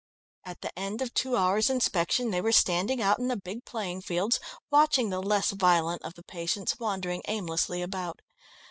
At the end of two hours' inspection they were standing out on the big playing fields, watching the less violent of the patients wandering aimlessly about.